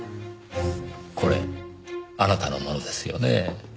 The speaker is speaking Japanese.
これあなたのものですよね？